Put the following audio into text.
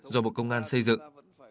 do bộ công an xây dựng